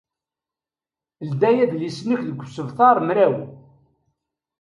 Ldey adlis-nnek deg usebter mraw.